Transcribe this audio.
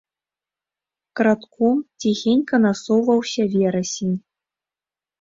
Крадком, ціхенька насоўваўся верасень.